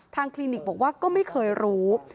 คลินิกบอกว่าก็ไม่เคยรู้